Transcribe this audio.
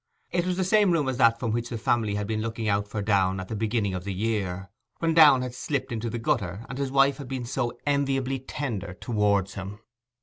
It was the same room as that from which the family had been looking out for Downe at the beginning of the year, when Downe had slipped into the gutter and his wife had been so enviably tender towards him.